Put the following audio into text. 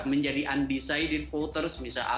menjadi undecided voters misalnya